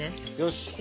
よし！